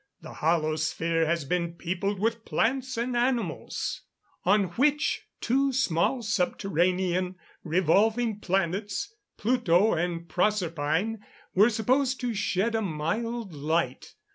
The hollow sphere has been peopled with plants and animals, on which two small subterranean revolving planets, Pluto and Proserpine, were supposed to shed a mild light.